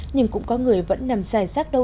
nhưng cũng có người vẫn nằm dài sát đâu